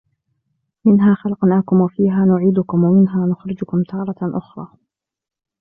منها خلقناكم وفيها نعيدكم ومنها نخرجكم تارة أخرى